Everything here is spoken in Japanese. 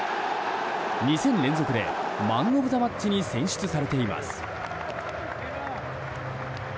２戦連続でマン・オブ・ザ・マッチに選出されています。